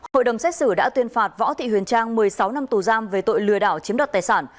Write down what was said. hội đồng xét xử đã tuyên phạt võ thị huyền trang một mươi sáu năm tù giam về tội lừa đảo chiếm đoạt tài sản